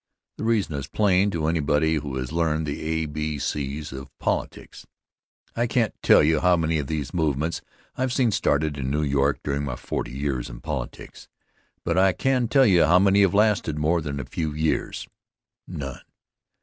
The reason is plain to anybody who has learned the a, b, c of politics. I can't tell just how many of these movements I've seen started in New York during my forty years in politics, but I can tell you how many have lasted more than a few years none.